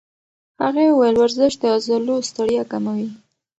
هغې وویل ورزش د عضلو ستړیا کموي.